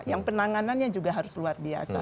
yang penanganannya juga harus luar biasa